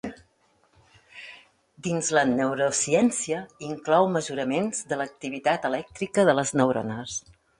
Dins la neurociència, inclou mesuraments de l'activitat elèctrica de les neurones.